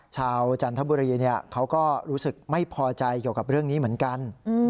จันทบุรีเขาก็รู้สึกไม่พอใจเกี่ยวกับเรื่องนี้เหมือนกัน